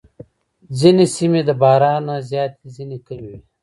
ځینې سیمې د باران نه زیاتې، ځینې کمې وي.